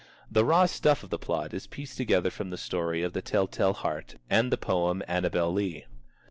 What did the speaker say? The raw stuff of the plot is pieced together from the story of The Tell tale Heart and the poem Annabel Lee.